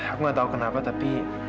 aku gak tahu kenapa tapi